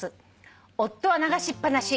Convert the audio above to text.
「夫は流しっ放し。